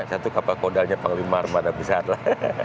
satu kapal kodalnya panglima armada besar lah